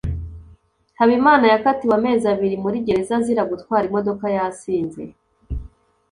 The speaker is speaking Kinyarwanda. habimana yakatiwe amezi abiri muri gereza azira gutwara imodoka yasinze